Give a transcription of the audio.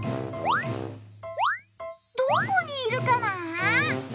どこにいるかな？